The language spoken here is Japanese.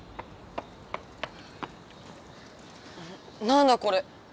何だこれ？